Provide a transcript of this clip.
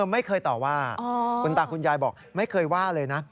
ไม่เคยต่อว่าคุณตาคุณยายบอกไม่เคยว่าเลยนะ